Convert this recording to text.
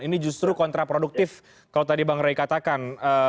ini justru kontraproduktif kalau tadi bang ray katakan